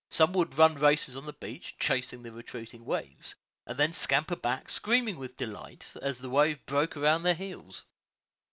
Some would run races on the beach, chase the retreating waves, and then scamper back, screaming with delight, as the wave broke around their heels.